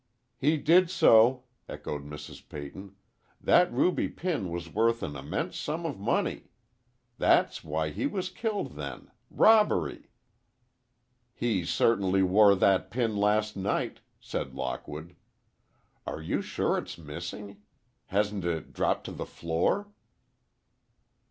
"He did so," echoed Mrs. Peyton. "That ruby pin was worth an immense sum of money! That's why he was killed, then, robbery!" "He certainly wore that pin last night," said Lockwood. "Are you sure it's missing? Hasn't it dropped to the floor?"